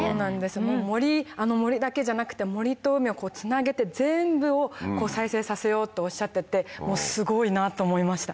あの森だけじゃなくて森と海をつなげて全部を再生させようとおっしゃっててすごいなと思いました。